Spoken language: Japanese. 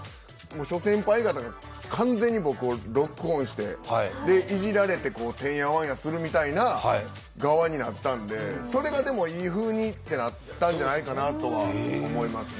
諸先輩方が完全に僕をロックオンしていじられて、てんやわんやする側になったんでそれがいいふうになったんじゃないかなと思いますね。